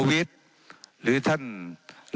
ว่าการกระทรวงบาทไทยนะครับ